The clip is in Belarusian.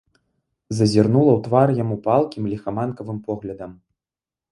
Зазірнула ў твар яму палкім, ліхаманкавым поглядам.